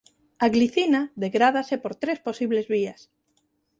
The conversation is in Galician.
A glicina degrádase por tres posibles vías.